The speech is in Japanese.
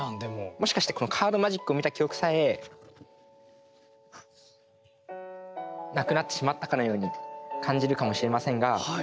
もしかしてこのカードマジックを見た記憶さえなくなってしまったかのように感じるかもしれませんが。